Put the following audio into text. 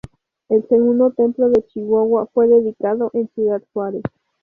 El segundo templo de Chihuahua fue dedicado en Ciudad Juárez.